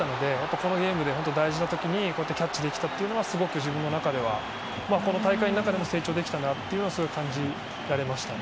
このゲームで大事な時にキャッチできたというのはすごく自分の中ではこの大会の中でも成長できたなとすごい感じられましたね。